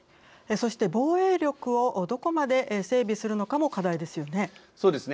そして防衛力をどこまで整備するのかもそうですね。